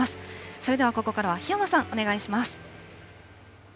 それではここからは檜山さん、お願いします。